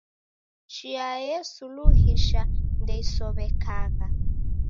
Chia yesuluhisha ndeisow'ekagha